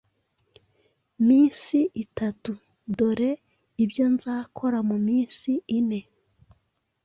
minsi itatu. Dore ibyo nzakora mu minsi ine,